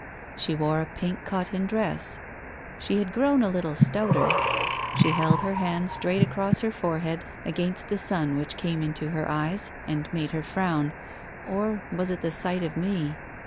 She wore a pink cotton dress. She had grown a little stouter. She held her hand straight across her forehead, against the sun which came into her eyes, and made her frown — or was it the sight of me